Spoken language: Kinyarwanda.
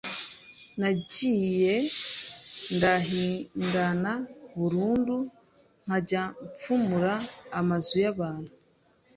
Nargiye ndahindana burundu, nkajya mfumura amazu y’abantu,